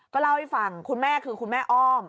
เล่าให้ฟังคุณแม่คือคุณแม่อ้อม